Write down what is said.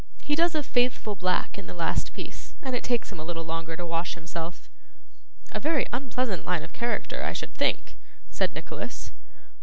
He does a faithful black in the last piece, and it takes him a little longer to wash himself.' 'A very unpleasant line of character, I should think?' said Nicholas.